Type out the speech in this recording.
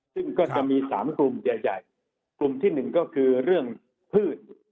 ซึ่งก็จะมี๓กลุ่มใหญ่กลุ่มที่หนึ่งก็คือเรื่องพืช